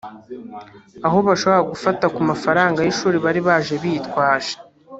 aho bashobora gufata ku mafaranga y’ishuri bari baje bitwaje